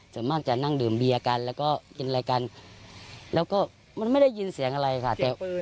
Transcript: ส่วนมากจะนั่งดื่มเบียร์กันแล้วก็กินอะไรกันแล้วก็มันไม่ได้ยินเสียงอะไรค่ะ